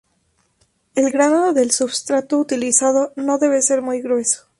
El grano del substrato utilizado no debe ser muy grueso.